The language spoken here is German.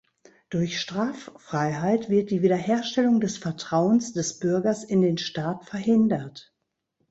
Durch Straffreiheit wird die Wiederherstellung des Vertrauens des Bürgers in den Staat verhindert.